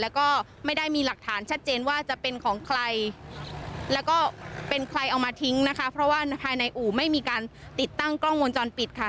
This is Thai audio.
แล้วก็ไม่ได้มีหลักฐานชัดเจนว่าจะเป็นของใครแล้วก็เป็นใครเอามาทิ้งนะคะเพราะว่าภายในอู่ไม่มีการติดตั้งกล้องวงจรปิดค่ะ